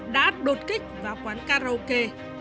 đã đột kích vào quán karaoke